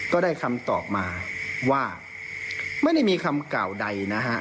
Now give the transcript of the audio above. ก็ได้คำตอบมาว่าไม่ได้มีคำกล่าวใดนะฮะ